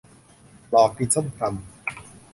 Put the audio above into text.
รอกินส้มตำ